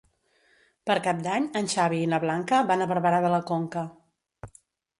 Per Cap d'Any en Xavi i na Blanca van a Barberà de la Conca.